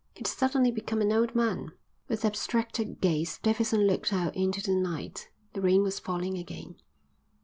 He'd suddenly become an old man." With abstracted gaze Davidson looked out into the night. The rain was falling again.